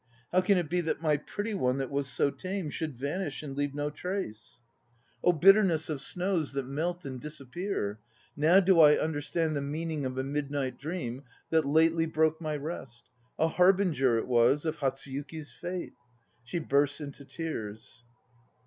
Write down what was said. How can it be that my pretty one that was so tame should vanish and leave MO trace? 204 THE N<5 PLAYS OF JAPAN Oh bitterness of snows That melt and disappear! Now do I understand The meaning of a midnight dream That lately broke my rest. A harbinger it was Of Hatsuyuki's fate. (She bursts into tears.)